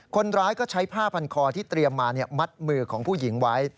คนร้ายก็ใช้ผ้าพันคอที่เตรียมมา